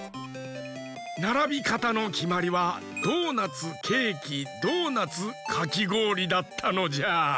ならびかたのきまりはドーナツケーキドーナツかきごおりだったのじゃ。